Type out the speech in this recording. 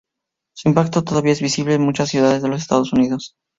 Su impacto todavía es visible en muchas ciudades de los Estados Unidos.